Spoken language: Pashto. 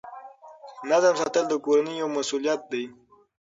نظم ساتل د کورنۍ یوه مسؤلیت ده.